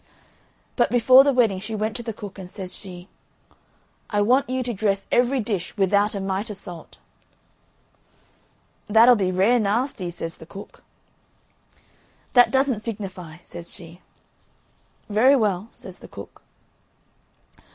But before the wedding she went to the cook, and says she: "I want you to dress every dish without a mite o' salt." "That'll be rare nasty," says the cook. "That doesn't signify," says she. "Very well," says the cook.